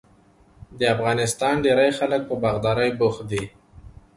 د افغانستان ډیری خلک په باغدارۍ بوخت دي.